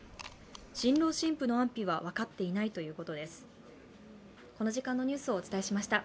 新郎新婦の安否は分かっていないということです。